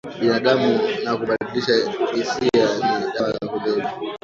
binadamu na kumbadilisha hisia ni dawa za kulevya